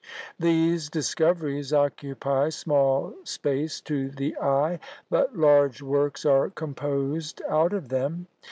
These discoveries occupy small space to the eye; but large works are composed out of them.